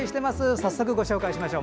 早速ご紹介しましょう。